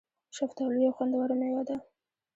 شفتالو یو خوندوره مېوه ده